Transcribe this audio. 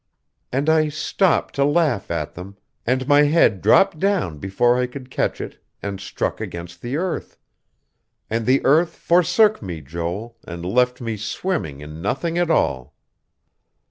And I stopped to laugh at them, and my head dropped down before I could catch it and struck against the earth, and the earth forsook me, Joel, and left me swimming in nothing at all....